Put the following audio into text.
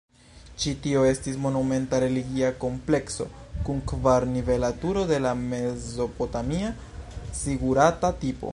Ĉi tio estis monumenta religia komplekso kun kvar-nivela turo de la mezopotamia zigurata tipo.